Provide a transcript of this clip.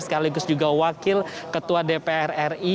sekaligus juga wakil ketua dpr ri